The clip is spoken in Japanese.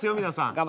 皆さん。